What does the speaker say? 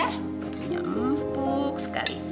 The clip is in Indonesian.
roti nya empuk sekali